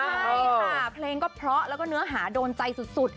ใช่ค่ะเพลงก็เพราะแล้วก็เนื้อหาโดนใจสุด